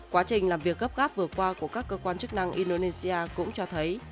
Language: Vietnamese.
quá trình làm việc gấp gáp vừa qua của các cơ quan chức năng indonesia cũng cho thấy